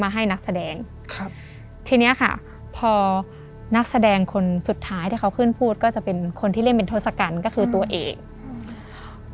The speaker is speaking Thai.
ให้นักแสดงครับทีเนี้ยค่ะพอนักแสดงคนสุดท้ายที่เขาขึ้นพูดก็จะเป็นคนที่เล่นเป็นทศกัณฐ์ก็คือตัวเอกอืม